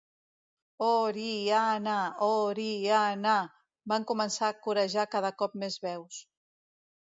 O-ri-a-na, O-ri-a-na! —van començar corejar cada cop més veus.